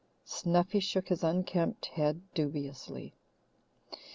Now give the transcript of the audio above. Snuffy shook his unkempt head dubiously.